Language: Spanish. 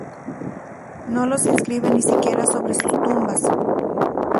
No los inscriben ni siquiera sobre sus tumbas.